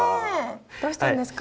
どうしたんですか？